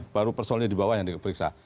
baru personilnya di bawah yang diperiksa